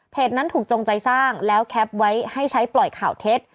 นั้นถูกจงใจสร้างแล้วแคปไว้ให้ใช้ปล่อยข่าวเท็จ